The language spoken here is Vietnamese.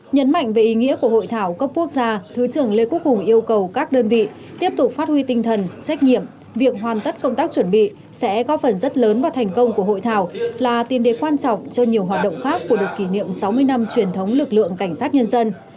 nhấn mạnh về ý nghĩa của hội thảo cấp quốc gia thứ trưởng lê quốc hùng yêu cầu các đơn vị tiếp tục phát huy tinh thần trách nhiệm việc hoàn tất công tác chuẩn bị sẽ góp phần rất lớn vào thành công của hội thảo là tiền đề quan trọng cho nhiều hoạt động khác của được kỷ niệm sáu mươi năm truyền thống lực lượng cảnh sát nhân dân